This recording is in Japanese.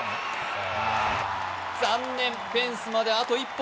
残念、フェンスまであと一歩。